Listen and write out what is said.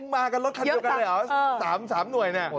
มากันรถคันเดียวกันเลยเหรอ๓หน่วยเนี่ย